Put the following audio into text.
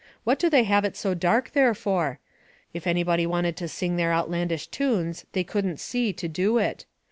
What do they have it so dark there for ? If anybody wanted to sing their outlandish tunes they couldn't see to do it.